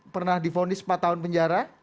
pernah difundi sempat tahun penjara